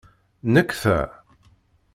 Nnek ta?